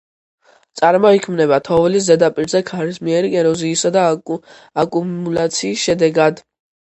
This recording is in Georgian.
წარმოიქმნება თოვლის ზედაპირზე ქარისმიერი ეროზიისა და აკუმულაციის შედეგად.